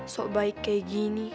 so baik kayak gini